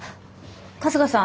春日さん